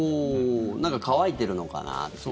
なんか乾いてるのかなっていう？